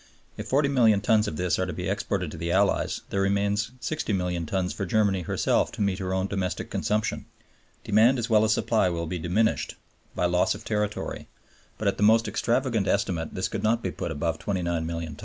If 40,000,000 tons of this are to be exported to the Allies, there remain 60,000,000 tons for Germany herself to meet her own domestic consumption. Demand as well as supply will be diminished by loss of territory, but at the most extravagant estimate this could not be put above 29,000,000 tons.